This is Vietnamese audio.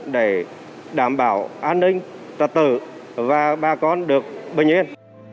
để đảm bảo an ninh trật tự và bà con được bình yên